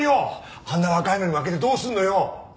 あんな若いのに負けてどうすんのよ！